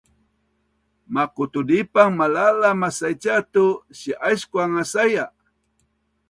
makutudipaang malaʼla masaicia tu si-aisku ang saia